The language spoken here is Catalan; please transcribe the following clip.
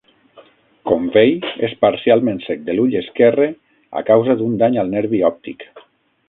Convey és parcialment cec de l'ull esquerre a causa d'un dany al nervi òptic.